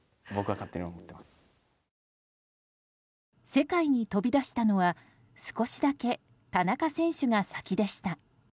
世界に飛び出したのは少しだけ、田中選手が先でした。